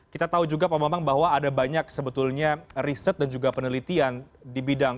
kita tahu juga pak bambang bahwa ada banyak sebetulnya riset dan juga penelitian di bidang